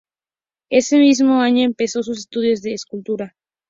Ese mismo año empezó sus estudios de escultura.